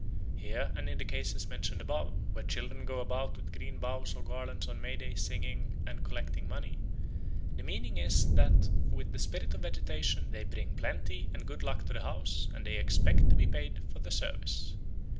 Here and in the cases mentioned above, where children go about with green boughs or garlands on May Day singing and collecting money, the meaning is that with the spirit of vegetation they bring plenty and good luck to the house, and they expect to be paid for the service.